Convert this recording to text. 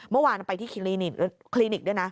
เมื่อวานไปที่คลินิกด้วยนะ